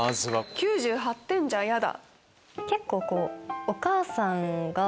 「９８点じゃヤダ！」。